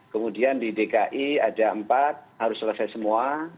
kemudian di dki ada empat harus selesai semua